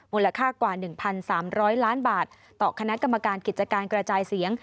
มูลค่ากว่า๑๓๐๐ล้านบาทต่อคณะกรรมการกิจการกระจายเสียง